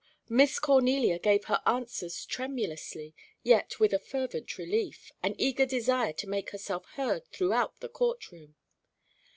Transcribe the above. Miss Cornelia gave her answers tremulously, yet with a fervent relief, an eager desire to make herself heard throughout the court room.